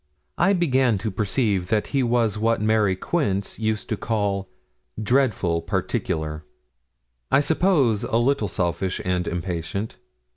I began to perceive that he was what Mary Quince used to call 'dreadful particular' I suppose a little selfish and impatient.